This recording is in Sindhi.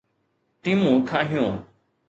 ٽيمون ٺاهيون